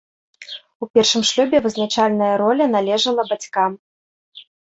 У першым шлюбе вызначальная роля належала бацькам.